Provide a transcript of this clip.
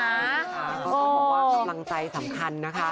เขาบอกว่ากำลังใจสำคัญนะคะ